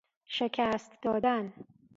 شکست دادن